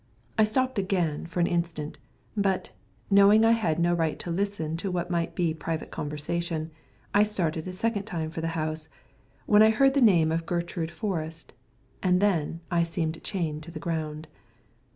I stopped again for an instant; but, knowing I had no right to listen to what might be private conversation, I started a second time for the house, when I heard the name of Gertrude Forrest, and then I seemed chained to the ground.